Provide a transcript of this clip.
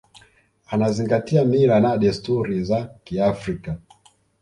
anazingati mila na desturi za kiafrika